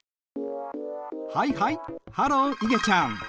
はいはいハローいげちゃん。